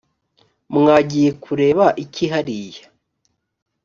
mwagiye kureba iki hariya